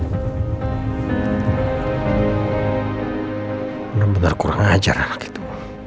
bener bener kurang ajar anak itu